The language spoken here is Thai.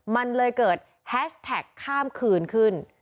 มันเลยเกิดแฮชแท็กข้ามคืนขึ้น